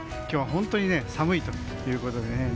今日は本当に寒いということでね。